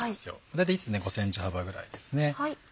大体１．５ｃｍ幅ぐらいですね。